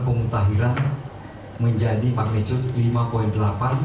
pemutahiran menjadi magnitude lima delapan